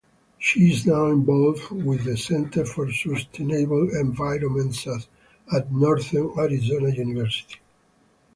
She is now involved with the Center for Sustainable Environments at Northern Arizona University.